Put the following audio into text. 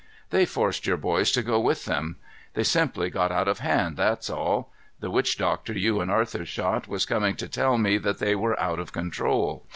They forced your boys to go with them. They simply got out of hand, that's all. The witch doctor you and Arthur shot was coming to tell me that they were out of control.